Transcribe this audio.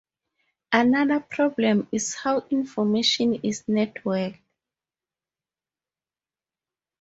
Another problem is how information is networked.